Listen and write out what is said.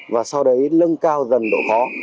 và sau đấy nâng cao dần độ khó